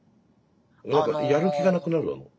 何かやる気がなくなるの？